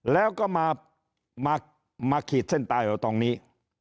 แล้วก็มาขีดเส้นตายเอาตรงนี้